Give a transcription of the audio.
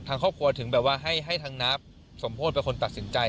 ทางครอบครัวถึงแบบว่าให้ทางนับสมโพธิเป็นคนตัดสินใจ